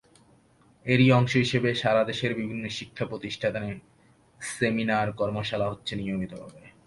এরই অংশ হিসেবে সারা দেশের বিভিন্ন শিক্ষাপ্রতিষ্ঠানে সেমিনার, কর্মশালা হচ্ছে নিয়মিতভাবে।